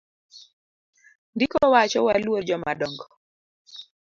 Ndiko wacho waluor jomadongo.